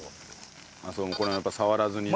この辺もやっぱ触らずにね。